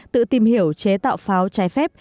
tự tìm hiểu chế tạo pháo chai phép